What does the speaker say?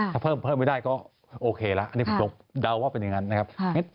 ถ้าเพิ่มไม่ได้ก็โอเคแล้วอันนี้ผมเดาว่าเป็นอย่างนั้นนะครับ